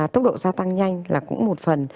tốc độ gia tăng nhanh là cũng một phần